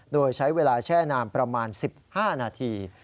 โดยใช้เวลาแช่น้ำประมาณ๑๕นาที